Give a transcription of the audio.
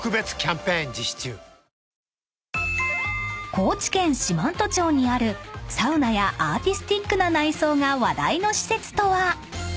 ［高知県四万十町にあるサウナやアーティスティックな内装が話題の施設とは？］